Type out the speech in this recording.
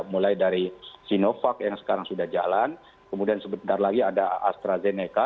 mulai dari sinovac yang sekarang sudah jalan kemudian sebentar lagi ada astrazeneca